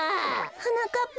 はなかっ